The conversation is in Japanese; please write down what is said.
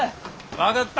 分かった！